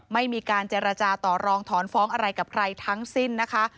ไม่มีการเจรจาต่อรองถอนฟ้องอะไรกับใครทั้งสิ้นนะคะ